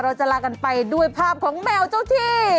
เราจะลากันไปด้วยภาพของแมวเจ้าที่